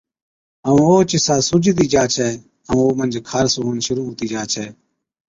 ائُون اوهچ حِصا سُوجتِي جا ڇَي ائُون او منجھ خارس هُوَڻ شرُوع هُتِي جا ڇَي۔